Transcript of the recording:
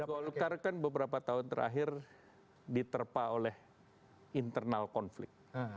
golkar kan beberapa tahun terakhir diterpa oleh internal konflik